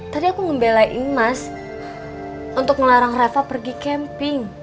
tadi aku ngebelain mas untuk ngelarang reva pergi camping